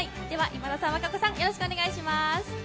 では今田さん、和歌子さんよろしくお願いします。